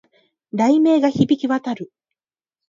雷鳴が響き渡る